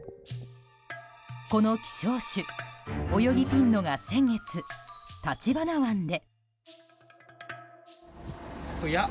この希少種、オヨギピンノが先月、橘湾で。